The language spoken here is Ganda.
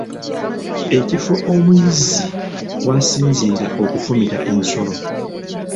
Ekifo omuyizzi wasinziirira okufumita ensolo.